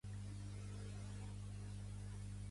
Més lluny l'Àngels que no pas jo, probablement.